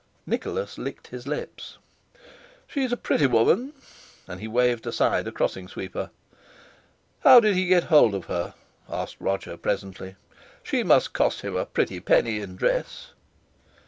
Nicholas licked his lips. "She's a pretty woman," and he waved aside a crossing sweeper. "How did he get hold of her?" asked Roger presently. "She must cost him a pretty penny in dress!"